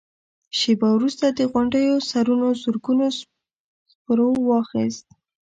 شېبه وروسته د غونډيو سرونو زرګونو سپرو واخيست.